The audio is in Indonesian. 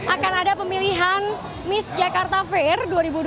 akan ada pemilihan miss jakarta fair dua ribu dua puluh